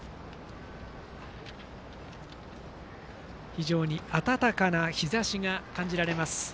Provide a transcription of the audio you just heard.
非常に暖かな日ざしが感じられます。